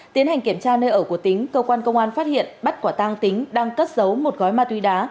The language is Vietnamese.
tiến hành kiểm tra nơi ở của tính công an phát hiện bắt quả tăng tính đang cất giấu một gói ma túy đá